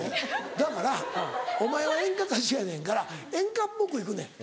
だからお前は演歌歌手やねんやから演歌っぽく行くねん。